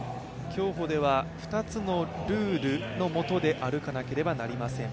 競歩では２つのルールのもとで歩かなければなりません。